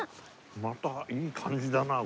またいい感じだなこれ。